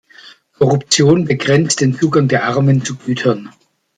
Korruption begrenzt den Zugang der Armen zu Gütern.